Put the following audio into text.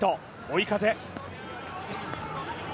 追い風。